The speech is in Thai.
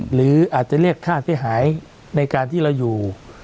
หรืออาจจะเรียกค่าเสียหายในการที่เราอยู่